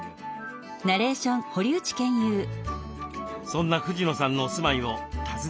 そんな藤野さんのお住まいを訪ねました。